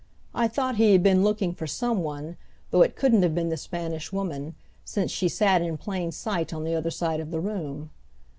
I thought he had been looking for some one, though it couldn't have been the Spanish Woman, since she sat in plain sight on the other side of the room.